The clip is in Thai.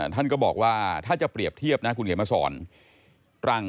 ท่านก็บอกว่าถ้าจะเปรียบเทียบนะคุณเขียนมาสอนรัง